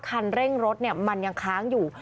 คันเร่งรถมันยังค้างอยู่